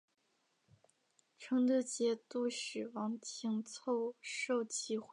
成德节度使王廷凑受其笼络。